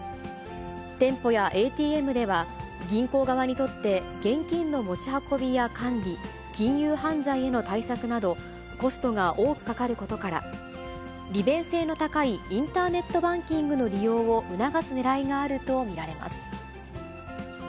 店舗やＡＴＭでは、銀行側にとって現金の持ち運びや管理、金融犯罪への対策など、コストが多くかかることから、利便性の高いインターネットバンキングの利用を促すねらいがあると見られます。